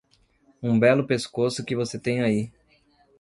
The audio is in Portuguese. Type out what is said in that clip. Um belo pescoço que você tem aí.